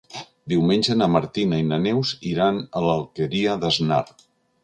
Diumenge na Martina i na Neus iran a l'Alqueria d'Asnar.